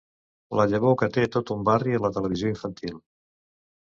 La llavor que té tot un barri a la televisió infantil.